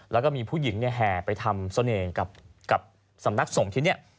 แล้วก็มีผู้หญิงแห่ไปทำเสน่ห์กับสำนักสงฆ์ที่นี่